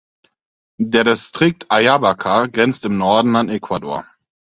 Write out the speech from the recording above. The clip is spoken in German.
Der Distrikt Ayabaca grenzt im Norden an Ecuador.